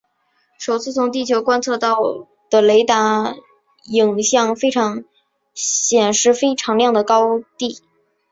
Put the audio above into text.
首次从地球观测到的雷达影像显示非常亮的高地。